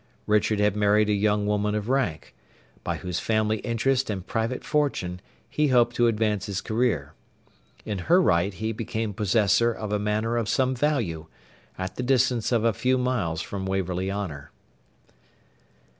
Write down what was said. Richard had married a young woman of rank, by whose family interest and private fortune he hoped to advance his career. In her right he became possessor of a manor of some value, at the distance of a few miles from Waverley Honour.